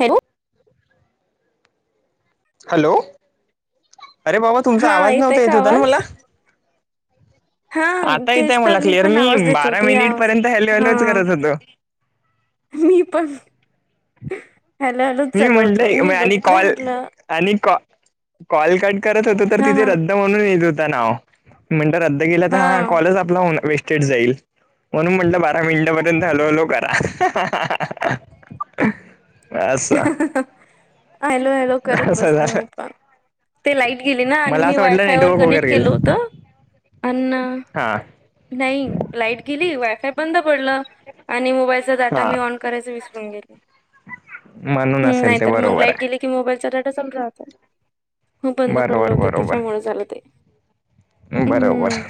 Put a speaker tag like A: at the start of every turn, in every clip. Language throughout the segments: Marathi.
A: हेल
B: हॅलो अरे बाबा तुमचा
A: हा
B: आवाज
A: येतय
B: नव्हता येत
A: का
B: होता ना
A: आवाज
B: मला
A: हा
B: आता येथ
A: तेच तर
B: मला क्लियर
A: पण
B: मी
A: आवाज देत
B: बारा
A: होते
B: मिनिट
A: आवाज
B: पर्यंत हॅलो
A: हा
B: हॅलोच करत होतो.
A: मी पण हॅलो हॅलो
B: मी
A: चल मी
B: म्हटलंय आणि
A: बघितलं
B: कॉल
A: म्हटलं.
B: आणि कॉ कॉल कट करत होतो तर
A: हा
B: तिथे
A: हा
B: रद्द म्हणून येत होत नाव. म्हण रद्द केेला तर हा कॉलच आपला वेस्टेड जाईल. म्हणून म्हटलं बारा मिनिटापर्यंत हॅलो हॅलो करा. असचछा
A: हॅलो हॅलो करत बसले मी पण ते लाईट गेली ना आणि
B: मला
A: मी
B: असं वाटलं
A: वायफायवरर
B: नेटवर्क वगैरे
A: कनेक्ट केलं
B: गेलं
A: होत अ्.
B: हा
A: नाही लाईट गेली वायफाय बंद पडलं आणि मोबाईल डाटा
B: हा
A: मी ऑन करायच विसरून गेले.
B: म्हणून
A: हम्
B: असेल ते
A: नाहीतर मग
B: बरोबर
A: लाईट गेली.
B: आहे
A: कि मोबाईलचा डाटा चाल राहता बंद पडलं
B: बरोबर
A: होत
B: बरोबर
A: त्याच्यामुळे झालं ते
B: बरोबर.
A: हम्म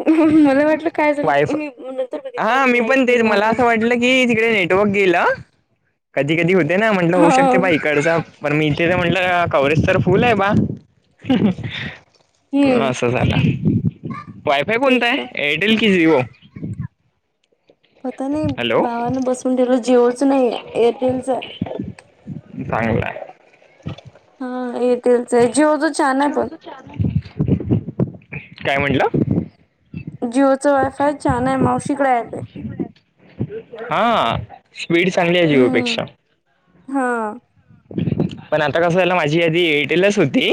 A: मला वाटलं काय झालं
B: वाईफ
A: मी नंतर बघितलं
B: हा मी
A: अरे लाईट
B: पण तेच
A: गेली
B: मला
A: म्हटलं
B: असं वाटलं की तिकडे नेट नेटवर्क गेलं कधी कधी होते ना म्हंटलं
A: हा
B: होऊ शकते बाई ईकडच पण मी इथे तर म्हटलं कवरेज तर फुल आहे बा
A: हम्म
B: असं झाला हेय कोणता
A: तेच
B: आहे
A: ना
B: एअरटेल की जिवो
A: पता नाही
B: हॅलो
A: भावान बसून दिलं जिओच नाही एरटेलचा
B: चांगलं
A: हा येटेलच आहे जिओच छान आहे पण
B: काय म्हटलं
A: जिओचं वायफाय छान आहे मावशीकडे आहे ते
B: हा स्पीड चांगली आहे जीओ
A: हम्म
B: पेक्षा
A: हा
B: पण आता कस झा माझी आ एटेलच होती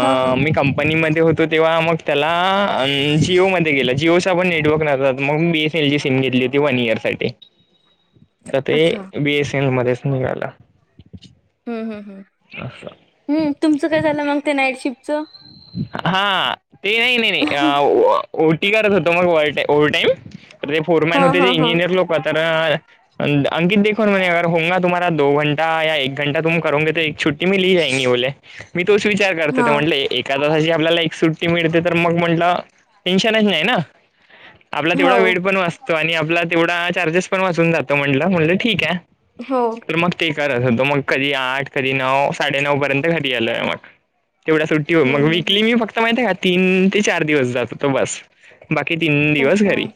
A: हा हा
B: मीं कंपनीमध्ये होतो तेव्हा मग त्याला जिओमध्ये गेला जिओचा पण नेटवर्क मग बेस एल सिम घेतली होती वन इयर साठी तर ते
A: अच्छा
B: बीएस ए एल मध्येच निळाला
A: हम्म हम् हम्
B: असा
A: हम् तुमचं काय झालं मग ते नाईट शिफ्टचं
B: हा ते नाही नाही नाही
A: हा
B: अ ओ टी करत होत मग ओव्हर टाईम तर ते फोरमॅन होते जे
A: हा हा
B: इंजिनियर लोक तर अंकित देखो यार होंगा तुम्हाारा द घंटा या एक घंटा तुम करोगे तर एक छुट्टी त मी लिहि जाईन बले मी तोच विचार करतो
A: हा
B: ते म्हटले एका तासाची आपल्याला एक सुट्टी मिळते तर मग म्हंटलं टेन्शनच नाही ना आपला
A: हो
B: तेवढा वेळ पण वाचतो आणि आपला तेवढा चार्जेस पण वाचून जातो म्हणटलं म ठीक आहे
A: हो
B: तर मग से करत होतो मग कधी आठ कधी नऊ साडे नऊ पर्यंत घरी आलोय मग तेवढा सुट्ट
A: हम्म
B: मग
A: हम्म
B: वीकली मी
A: हम्म
B: फक्त माहित आहे का तीन ते चार दिवस जातो होत बस बाकी तीन दिवस
A: अच्छा
B: घरी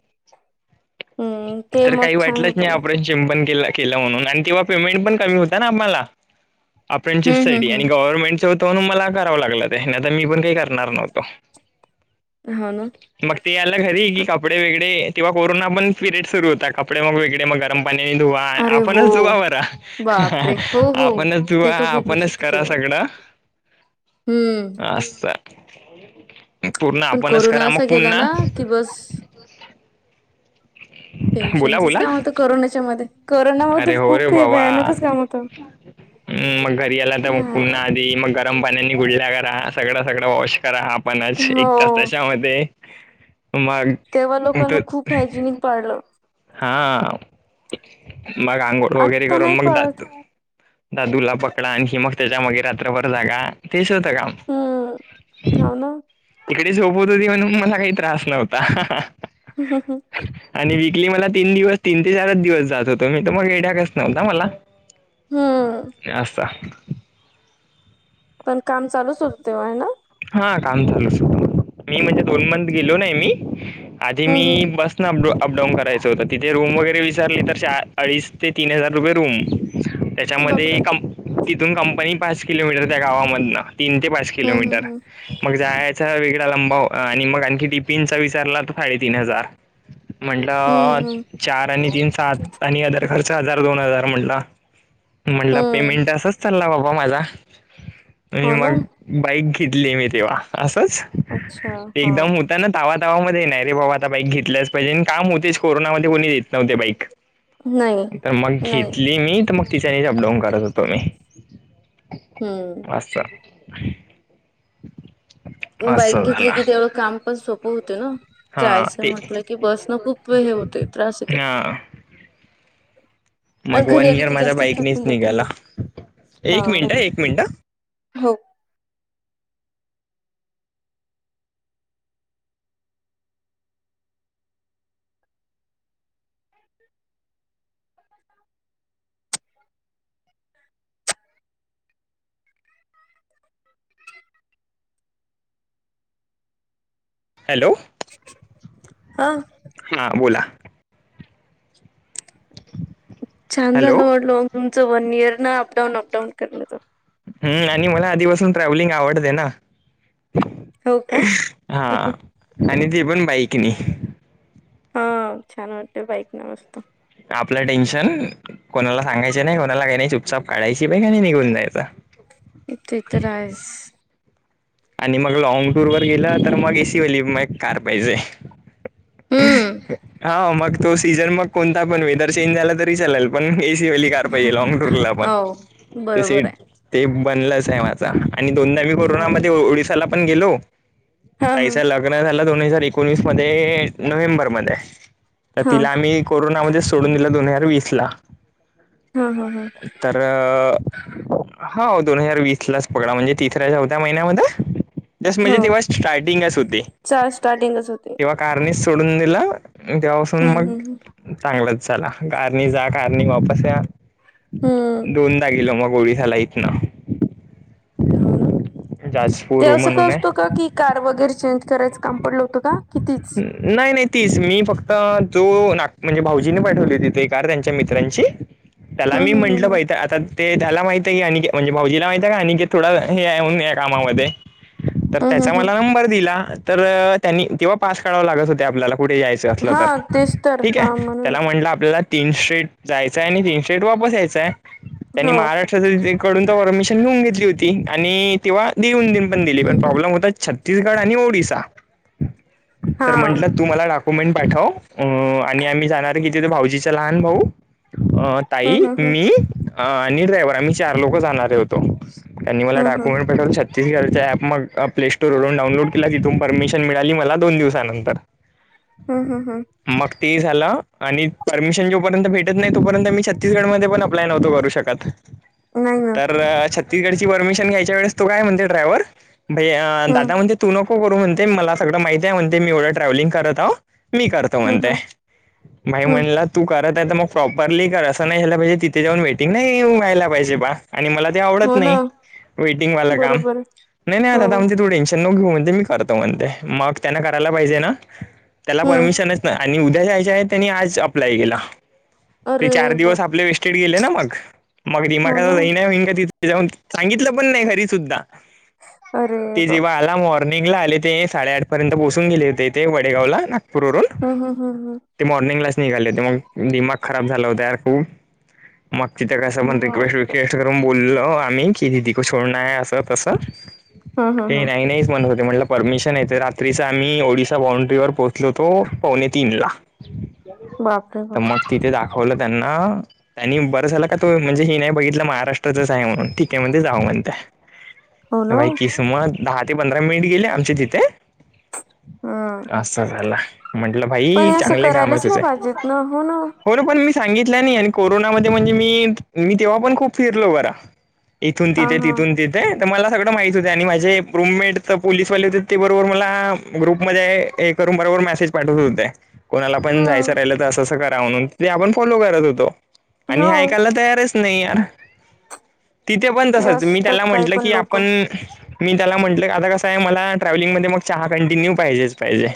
A: हम्म ते
B: तर
A: मग
B: काही
A: छान
B: वाटलंच नाही
A: होतं मग
B: आपण चिंपन के केलं म्हणून आणि तेव्हा पेमेंट पण कमी होता ना आम्हला आपन
A: हम्म हम्म
B: चिप्साठीठी आणि
A: हम्म
B: गव्हर्नमेंटचं होतं म्हणून मला करावं लागलं ते नाही आता मी पण काही करणार नव्हतो
A: हो ना
B: मग ते याला घरी की कपडे वेगळे तेव्हा कोरोना पण पिरियड सुरू होता कपडे मग वेगळे मग ं पाण्यानी धुवा
A: अरे हो
B: आपणच धुवा बर
A: बापरे हो हो
B: आपणच
A: ते
B: धुवा
A: तर खूपच
B: आपणच
A: होतं
B: करा
A: तेव्हा
B: सगळं
A: हम्म
B: अस पूर्ण आपणच करा मग पुन्हा
A: कि बस
B: बोला
A: टेन्शनचंच
B: बोला
A: काम होतं करोना मध्ये करोना म
B: अरे हो
A: खूप हे भयानकच काम होतं
B: ह मग घरी याला तर
A: हां.
B: पुन्हा आधी मग गरम पाण्यानी गुडल्या करा सगळं सगळं वॉश करा ह पणच
A: हो
B: एक तास त्याच्यामध्ये मग
A: तेव्हा लोकांना खूप हायजेनिक पाडलं
B: हा मघ आंघोळ वगैरे
A: आत्ता नाही
B: करून मग
A: पाळत
B: जातो दादूला पकडा आणि हि मग त्याच्या माग रात्रभर जागा तेच काम
A: हम्म हो ना
B: इकडे झोपत होती म्हणून मला काही त्रास नव्हता
A: ह ह
B: आणि वीकली मला तीन दिवस तीन ते चारच दिवस जात होतो मी तर मग येड्या कस नव्हता मला अस
A: पण काम चालूच होत तेव्हा आहे ना
B: हा काम ल सुध मी म्हणजे दोन मोंथ गेलो नाही मी आधी मी
A: हम्म हम्म
B: बस अपडाऊन करायचं होतं तिथे रूम वगैरे वीच्यारले तर अडीच ते तीन हजार रुपये रूम त्याच्यामध्ये
A: बापरे
B: कं तिथून कंपनी पाच किलोमीटर त्या गावामधनं तीन ते पाच
A: हम्म
B: किलोमीटर
A: हम्म
B: मग जायचा वेगळा लंबाव आणि मग आणखी डीपींचा विचारला तर साडेतीन हजार
A: हम्म
B: म्हंटलं
A: हम्म
B: चार आणि तीन सात आणि हजार दोन हजार म्हटला म्हंटलं
A: हम्म हम्म
B: पेमेंट असाच चालला बाबा माझा आणि
A: हो ना
B: मग बाईक घेतली मी तेव्हा असंच
A: अच्छा हा
B: ता तावा तावा ममध्ये नाही रे बाबा आता बाईक घेतल्याच पाहिजे आणि काम होतेच कोरोनामध्ये कोणी देत नव्हते बाईक
A: नाही
B: तर मग
A: नाही
B: घेतली मी तर मग तिच्यानेच अपडाऊन करत होतो मी
A: हम्म
B: अच्छा
A: बाईक
B: असं
A: घेतली
B: झाला
A: की तेवढं काम पण सोपं होत ना
B: हा
A: जायचं
B: ते
A: म्हटलं की बस न खूप हे होते त्रास होतय
B: हा मग वन इयर
A: की
B: माझ्या
A: जास्तच
B: बाईकनीच
A: थकून जात
B: निघाला
A: हा
B: एक मिनिट एक मिनिट
A: हो
B: हॅलो
A: हा
B: हा बोला [inaudible]
A: छान
B: हॅलो
A: झालं वाटल तुमचं वन इयर ना अपडाऊन अपडाऊन करण्याचं
B: हम् आणि मला आधीपासून ट्रॅव्हलिंग आवडते ना
A: हो का
B: हा आणि तेी पण बाईकनी
A: हा छान वाटतेय बाईक न मस्त
B: आपलं टेन्शन कोणाला सांगायच नाही कोणाला काही नाही चुपचाप काढायची बाग आणि नाही निघून जायच
A: इत रास
B: आणि मग लँग टूर वर गेलं तर मग एसी वाली मग कार पाहिजे
A: हम्म
B: हा मग तो सीझन मग कोणता पण वेदर चेंज झाला तरी चालेल पण एसी वली पाहिजे लॉंग टूर ला पण
A: हो
B: ते
A: बरोबर
B: सीट
A: आहे
B: ते बनलंच आहे माझा आणि दोनदा मी
A: हो. ना.
B: कोरोनामध्ये ओडिसाला पण गेलो
A: हा हा
B: ताईचं लग्न झालं दोन हजार एकोणीस मध्ये नोव्हेंबर मध्ये तर
A: हा
B: तिला आम्ही कोरोनामध्येध्ये सोडून दिलं दोन हजार वीस ला
A: हा हा हा
B: तर हो दोन हजार वीस लाच पकड म्हणजे तिसऱ्या चौथ्या महिन्यामध्ये म्हणजे
A: हो.
B: तेव्हा स्टार्टिंगच होती
A: चा स्टार्टिंगच होते
B: तेव्हा कारणी सोडून दिला तेव्हापासून
A: हम्म
B: मग
A: हम्म
B: चांगलंच झाला कारणी जा कारणी वापस या
A: हम्म
B: दोनदा गेल मग गोळी झाला इत ना
A: हा ना ते
B: जाजपूर
A: असं का
B: म्हणून
A: असतो
B: आहे
A: का कि कार वगैरे चेंज करायचं काम पडलं होतं का कितीच
B: नाही नाही तीच मी फक्त जो ना म्हणजे भाऊजीनी पाठवली तिथे कार त्यांच्या मित्रांची त्याला
A: हम्
B: मी
A: हम् हम्
B: म्हंटलं
A: हम
B: पाहि तर आता ते त्याला माहित आहे की आणी म्हणजे भाऊजीला माहित आहे का आणी थोडं हे आहे होन या कामामध्ये तर
A: हम् हम्
B: त्याचा
A: हम्
B: मला नंबर दिला तर त्यांनी तेव्हा पास कढव लागत होते आपल्याला कुठे
A: हा
B: जायचं
A: तेच तर
B: ठीके
A: हा म्हणून
B: त्याला म्हटलं आपल्याला तीन स्ट्रेट जायचाय आणि तीन स्ट्रेट वापस यायचाय त्यांनी
A: हो
B: महाराष्ट्र कडून तर वर्मिशन घेऊन घेतली होती आणि तेव्हा देऊन देन पण दिली पण
A: हम् हम्
B: प्रॉब्लेम होताच छात छत्तीसगड आणि ओडिसा
A: हा
B: तर म्हंटलं तू मला टाक कमेंट पाठव आणि आम्ही जाणार आहे कितीथ भाऊजीचं लहान भाऊ ताई
A: हम् हम् हम्
B: मी आणि ड्रायव्हर आम्ही चार लोक जाणारे होतो त्यां मला
A: हम् हम्
B: डॉक्यमेंट पाठवू शक तिच्या प मग प्ले स्टोरवररून डाऊनलड केला तिथून परमिशन मिळाली मला दोन दिवसानंतर
A: हम हम हम
B: मग ते झालं आणि परमिशन जोपर्यंत भेटत नाही तोपर्यंत मी छत्तीसगड मध्ये पण अप्य नव्हतो करू शकत.
A: नाही ना
B: तर छत्तीसगडची परमिशन घ्यायच्या वेळेस तो काय म्हणते ड्रायव्हर
A: हम्
B: दादा म्हणते तू नको करूणते मला सगळ माती आहे म्हणते मी एवढं ट्रॅव्हिंग करत आो. मी करतो
A: हम्
B: म्हणते
A: हम्
B: माई
A: हम्
B: म्हणलं. तू करत आहे मग प्रॉपरली कर असं नाही्यायला पाहिजे तिथे जाऊन वेटिंग नाही व्हायला पाहिजे बा आणि मला ते
A: हो
B: आवडतं
A: ना
B: नाही वेटीगवाल काम,
A: बरोबर
B: नाही नाही
A: हो
B: आता तु टेश ण मी करतो म्हण मग त्यां करायला पाहिजे ना त्याला
A: हम्म
B: परमिशनच नाही. आणि उद्या जायच्या आहेत त्यांनी आज अप्लाय केला ते
A: अरे
B: चार दिवस
A: बापरे
B: आपले वे ट गेले ना मग मग दिीमाा
A: हो ना
B: नाही होईन कािथ जाऊन सांगितलं पण नाही घरी सुद्धा
A: अरे
B: ते
A: बाप
B: जेव्हा आ ला मॉर्निंग ला आले ते साडेआठपर्यंत पोहचून गेले होते ते वडेगावला नागपूरवरून
A: हम हम हम हम
B: ते मॉर्निंग क्लास निघाले होते मग दिमाग खराब झाला होतार खूप मग तिथ कसं म्हण रिक्वेस्ट
A: बापरे
B: विक्वेट त करून बोललो आम्ही की दिदीक ोडण आहे असं तसं.
A: हम् हम्
B: हे
A: हम्
B: नाही नाहीच म्हणत होते म्हटलं परमिशन येतात. िस आम्ही ओडिसा बांड्री वर पोहोचलोतो पवणे तीन ला
A: बापरे बाप
B: मग तिथे दाखवलं त्यांना आणि बरं झाला का तो म्हणजे हे नाही बघितलं महाराष्ट्रातच आहे म्हणून ठीक आहे म्हणजे जाऊ म्हणत.
A: हो ना
B: बाई किसम दहा ते पंधरा मिनिट गेले आमच्या तिथे
A: हम्म
B: असं झालं म्हंटलं
A: पण
B: भाई
A: हे असं
B: चांगले काम आहे
A: करायलाच नाही
B: तुझे
A: पाहिजेत ना हो
B: हो ना पण मी सांगितलं नाही आणि कोरोनामध्ये म्हणजे मी मी तेव्हा पण खूप फिरलो बरा. इथून
A: हा
B: तिथे
A: हा
B: तिथून तिथे तर मला सगळं माहित होत आणि माझे रूममेट तर पोलिसवाले होते ते बरोबर मला ब म पा हो कोणाला
A: हम्म
B: पणयचं राहि करा म्हण आपण फलो करत होतो
A: हो
B: आणि ऐय तयारच. नाहीर तिथे पण
A: ते
B: तसच मी
A: असतात
B: त्याला
A: काही
B: म्हंटलं
A: पण
B: की
A: लोक
B: आपण मी त्याला म्हटलं क आता कसं आहे मला ट्रॅव्हलिंग मध्ये मग चहा कंटिन्यू पाहिजेच पाहिजे.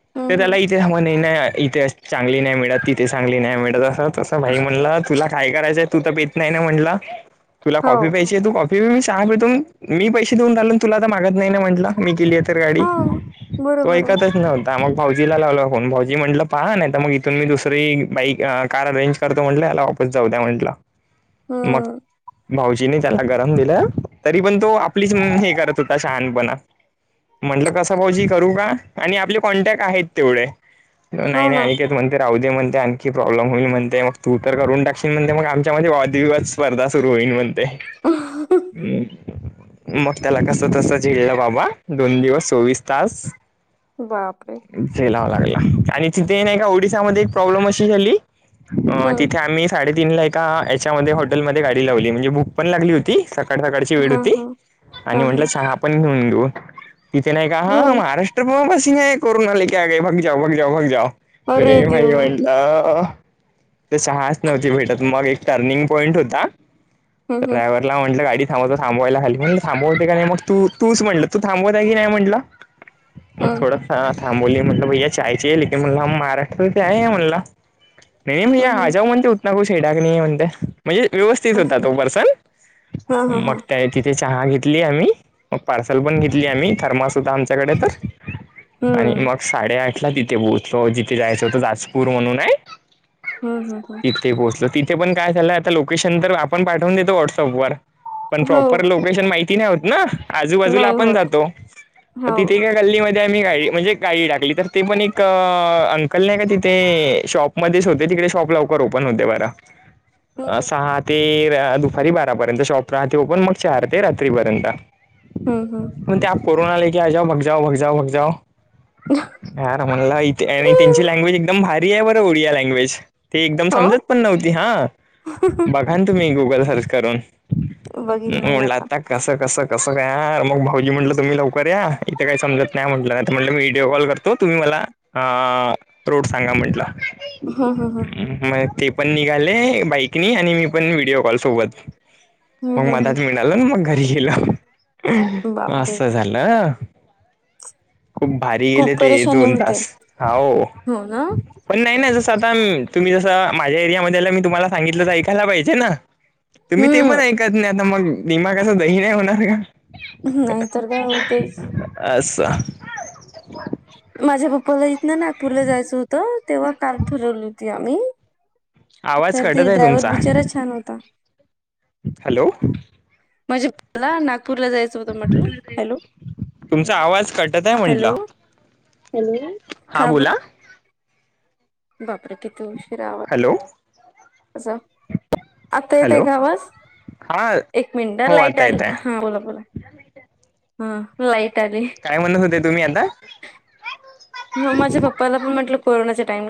A: हम्म
B: तर त्याला
A: हम्म
B: इथे सम नाही इथे चांगली नाही मिळत तिथे चांगली नाही मिळत असं. तसं भाई म्हणलं तुला काय करायचंय तू तर पेत नाही ना म्हणलं तुला
A: हो
B: कॉफी पाहिजे. त कॉफी सहा तून मी पैसे देऊन राालून तुला तर मागत नाही म्हटलं मी केली. तर गाडी
A: हो
B: तो
A: बरोबर आहे
B: ऐकतच नव्हत. तर मग भाऊजीला लावला फोन भाऊजी म्हटलं पहा नाही तर मग इथून मी दुसरी बाईक कार अरेंज करतो म्हटले याला जाऊ द्या म्हंटला मग
A: हम्म
B: भाऊजीने त्याला गरम दिलं तरी पण तो आपलीच हे करत होता शहानपणा म्हंटलं कस भाऊजी करू का आणि आपले कॉन्टॅक्ट आहेत तेवढे नाही
A: हो
B: नाही
A: ना
B: आणकेत म्हण. ते राह दे म्हणते आणखी प्रॉब्लेम होईल म्हणते मग तू तर करून टाकशील म्हणते मग आमच्यामध्ये वादविवाद स्पर्धा सुरू होईल म्हणते. ते् मग त्याला कस तस झळलं बाबा दोन दिवस चोवीस तास
A: बापरे
B: लाववा लागला आणि तिथे नाही का ओडिसामध्येध्ये एक प्रॉब्लेम अशी झाली. अ
A: हम्म
B: तिथे आम्ही साडेतीीन ला का याच्यामध्ये हॉटेलमध्येध्ये गाडी लावली म्हणजे बुक पण लागली होती सका कडसाकडची वेळ
A: हा
B: होती
A: हा
B: आणि
A: हा
B: म्हटलं
A: हा
B: चहा पण नेऊन देऊ‌. इिथे नाही का
A: हो
B: हा महाराष्ट्र प बसिंग आहे कोरोनाला कय बग जाऊ बग जाऊ बग जाओ.
A: अरे
B: प्रे मही
A: देवा
B: होणला. ते सहा आसणा वरती भेटत मग एक टर्निंग पॉईंट होता.
A: हम्म हम्म
B: ड्रायव्हर त्याला म्हटलं गाडी थांबव थांबंवायला हाली मं म्हणलं थांबवते का नाय मग तू तूच म्हणलं तू थांबवत आहे की नाय म्हंटलं मग
A: हम्म
B: थोडंचं हा थांबवंली म्हटलं भैया चाय चायीये लेकिन म्हणलं हंम महाराष्ट्रासे आये हे म्हणला नही मिया
A: हम्म हम्म
B: आजाऊ म्हणते उतना कुछ सेडाक नहीे है म्हणते म्हणजे व्यवस्थित होता
A: असं
B: तो पर्सन
A: हा हा
B: मग
A: हा
B: त्याय ति ते चहा घेतली आम्ही मग पार्सल पण घेतली आम्ही थर्मास होता आमच्याकडे तर आणि
A: हम्म
B: मग साडेआठ ला तिथे पोहोचलो जिथे जायचं होतं जाजपूर म्हणून हाय.
A: हं हं हं
B: ते पोहोचलो तिथे पण काय झालं आता लोकेशन तर आपण पाठवून देतो व्हॉट्सअप वर पण
A: हो
B: प्रॉपर लो केशन माहिती नाय होत ना आजूबाजूला
A: नाही
B: आपण
A: होत
B: जातो. म
A: हो
B: तिथे काय गल्ली मध्ये आम्ही गाडी म्हणजे गाडी टाकली तर ते पण एक अंकल नाय का तिथे शॉप मधीच होते तिकडे शॉप लवकर ओपन होते बरा
A: हम्म
B: अ सहा ते र दुपारी बारापर्यंत शॉप राहते ओपन मग चार ते रात्रीपर्यंत
A: हं हं
B: मंग ते आप कोरोना आला की आजावं म ग जाओ मग जाऊ मग जाओ हा ना म्हणला इत आणि त्यांची लँग्वेज एकदम भारी आहे बरं ओडिया लँग्वेज ते एकदम
A: हो
B: समजत पण नव्हती हा बघा ना तुम्ही गुगल सर्च करून. म
A: बघील मी
B: म्हणलं आता कसं कस कसं काय हा मग भाऊजी म्हटलं तुम्ही लवकर या इथे काय समजत नाय म्हटलं नाय त म्हट मी व्हिडिओ कॉल करतो तुम्ही मला हा रूट सांगा म्हटलं
A: हम्म हम्म
B: म एक ते पण निघाले बाईक नी आणि मी पण व्हिडओ कॉल सोबत
A: हम्म
B: मग
A: हम्म
B: मधात मी आलो ना मग घरी गेलो
A: हम्म बापरे
B: असं झालं खूप भारी गेले
A: खूप
B: ते
A: परेशानी
B: दोन
A: होते
B: तास हाव
A: हो ना
B: पण नाही ना जसं आता तुम्ही जसं माझ्या एरियामध्ये आलं मी तुम्हाला सांगितलं त ऐकायला पाहिजे ना तुम्ही ते पण
A: हम्म
B: ऐकत नाय आता मग दिमागाच दही नाय होणार का.
A: नाहीतर काय हो तेच
B: असं
A: माझ्या पप्पाला इथन नागपूरला जायचं होतं तेव्हा कार ठरवली होती आम्ही
B: आवाज
A: तर ते
B: कटत आहे
A: ड्रायव्हर
B: तुमचा
A: बिचारा छान होता.
B: हॅलो
A: माझे पप्पा ला नागपूरला जाय
B: तुमचा आवाज कटतय म्हंटला
A: हॅलो
B: हॅलो हा
A: का
B: बोला
A: बर बापरे कीती उश फिरावा
B: हॅलो
A: -आसा आता येतंय
B: हॅलो
A: का आवाज?
B: हा
A: एक मिनिट हा
B: हो
A: लाईट
B: आता येत
A: आलं
B: आहे
A: हा बोला बोला- हा लाईट आली.
B: काय म्हणत होते तुम्ही आता
A: म माझ्या पप्पाला पण म्हटलं कोरोनाच्या टाईमात